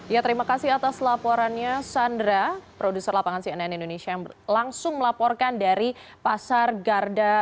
ya terima kasih atas laporannya sandra produser lapangan cnn indonesia yang langsung melaporkan dari pasar garda